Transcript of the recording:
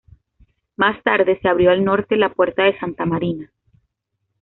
Más tarde, se abrió al norte la Puerta de Santa Marina.